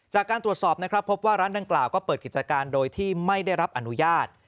จากการตรวจสอบนะครับพบว่าร้านดังกล่าวก็เปิดกิจการโดยที่ไม่ได้รับอนุญาต